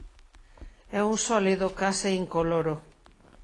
É un sólido case incoloro.